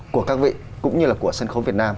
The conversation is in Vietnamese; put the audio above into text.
của các vị cũng như là của sân khấu việt nam